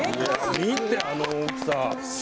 見て、あの大きさ。